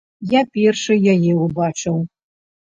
Я першы яе ўбачыў.